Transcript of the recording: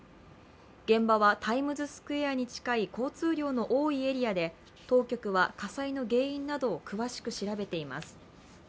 現場はタイムズスクエアに近い交通量の多いエリアで、当局は火災の原因などを詳しく調べています。